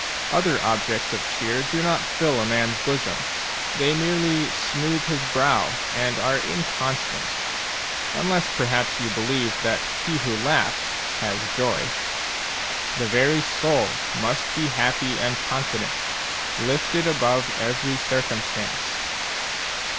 Other objects of cheer do not fill a man's bosom; they merely smooth his brow and are inconstant, — unless perhaps you believe that he who laughs has joy. The very soul must be happy and confident, lifted above every circumstance.